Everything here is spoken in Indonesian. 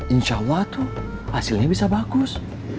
insya allah tuh hasilnya bisa bagus